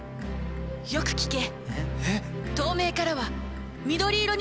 よく聞け。